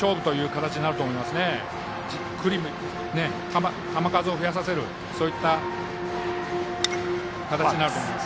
じっくり球数を増やさせる、そういった形になると思います。